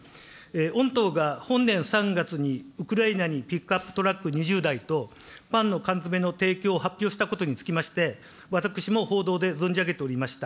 御党が本年３月にウクライナにピックアップトラック２０台と、パンの缶詰の提供を発表したことにつきまして、私も報道で存じ上げておりました。